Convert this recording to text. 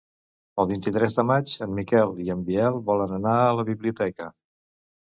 El vint-i-tres de maig en Miquel i en Biel volen anar a la biblioteca.